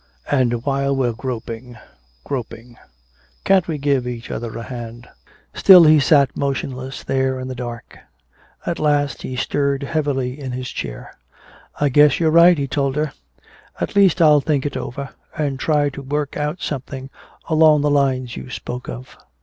And while we're groping, groping, can't we give each other a hand?" Still he sat motionless there in the dark. At last he stirred heavily in his chair. "I guess you're right," he told her. "At least I'll think it over and try to work out something along the lines you spoke of."